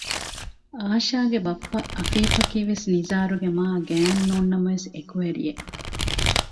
އާޝާގެ ބައްޕަ އަފީފަކީވެސް ނިޒާރުގެ މާގާތް ނޫންނަމަވެސް އެކުވެރިއެއް